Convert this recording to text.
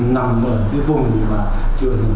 nằm ở cái vùng trường hình